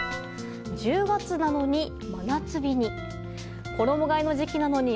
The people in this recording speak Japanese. １０月なのに、真夏日に。